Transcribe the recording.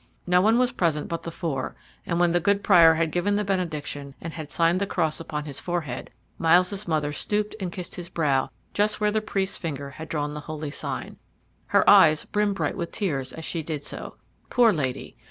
No one was present but the four, and when the good Prior had given the benediction and had signed the cross upon his forehead, Myles's mother stooped and kissed his brow just where the priest's finger had drawn the holy sign. Her eyes brimmed bright with tears as she did so. Poor lady!